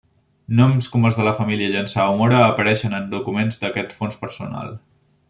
Noms com els de la família Llançà o Mora apareixen en documents d'aquest Fons personal.